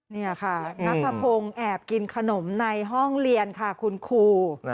นี่ค่ะนัทพงศ์แอบกินขนมในห้องเรียนค่ะคุณครู